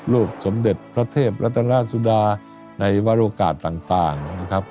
รูปสมเด็จพระเทพรัตนราชสุดาในวารกาศต่าง